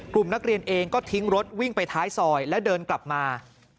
กลุ่มนักเรียนเองก็ทิ้งรถวิ่งไปท้ายซอยและเดินกลับมา